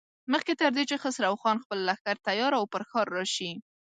مخکې تر دې چې خسرو خان خپل لښکر تيار او پر ښار راشي.